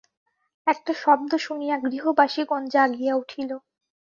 একটা শব্দ শুনিয়া গৃহবাসিগণ জাগিয়া উঠিল।